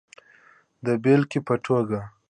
د بیلګی په توکه